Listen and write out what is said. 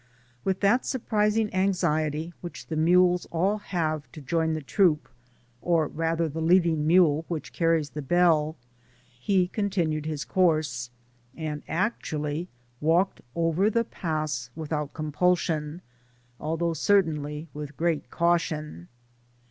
With that surprising anxiety which the mules all have to join the troop, or rather the leading mule whiph carries the bell, he continued his course, and actually walked over the pass without compulsion, although certainly ¥rith great caution.